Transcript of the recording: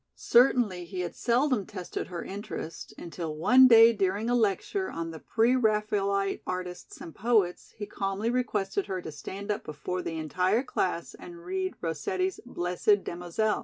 Certainly he had seldom tested her interest until one day during a lecture on the Pre Raphaelite artists and poets he calmly requested her to stand up before the entire class and read Rossetti's "Blessed Damozel."